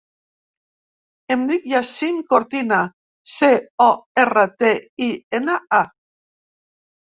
Em dic Yassin Cortina: ce, o, erra, te, i, ena, a.